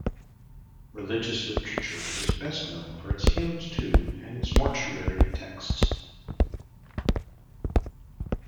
Religious literature is best known for its hymns to and its mortuary texts.